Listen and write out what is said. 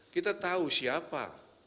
kita tahu siapa